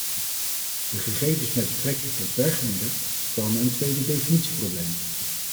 De gegevens met betrekking tot berggebieden vormen een tweede definitieprobleem.